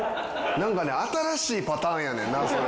なんかね新しいパターンやねんなそれ。